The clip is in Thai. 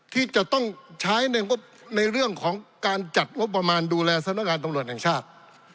ที่จะต้องใช้ในงบในเรื่องของการจัดงบประมาณดูแลสำนักงานตำรวจแห่งชาติ